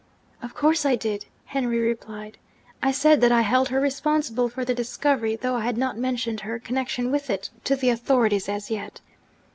'Of course I did!' Henry replied. 'I said that I held her responsible for the discovery, though I had not mentioned her connection with it to the authorities as yet.